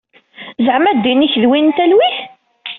Zeɛma ddin-ik d win n talwit?